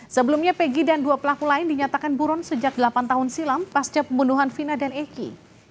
sebelumnya pegi dan dua pelaku lain dinyatakan buron sejak delapan tahun silam pasca pembunuhan vina dan eki